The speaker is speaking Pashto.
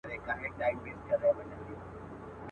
کله هسک ته کله ستورو ته ختلای.